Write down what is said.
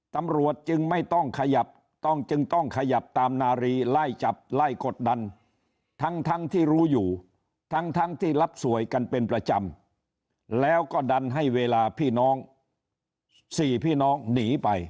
ตำรวจจึงไม่ต้องขยับต้องจึงต้องขยับตามนารีไล่จับไล่กดดันทั้งที่รู้อยู่ทั้งที่รับสวยกันเป็นประจำแล้วก็ดันให้เวลาพี่น้อง๔พี่น้องหนีไป